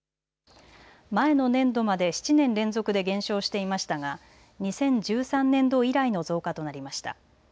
前の年度まで７年連続で減少していましたが２０１３年度以来の増加となりました。